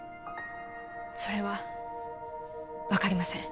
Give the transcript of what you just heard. それは分かりません